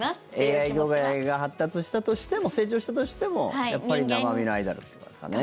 ＡＩ業界ＡＩが発達したとしても成長したとしてもやっぱり生身のアイドルですかね。